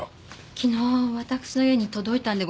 昨日私の家に届いたんでございますよ。